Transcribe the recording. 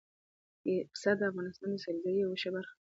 پسه د افغانستان د سیلګرۍ یوه ښه برخه ده.